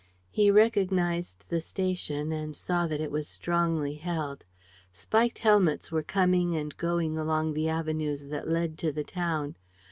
He recognized the station and saw that it was strongly held. Spiked helmets were coming and going along the avenues that led to the town.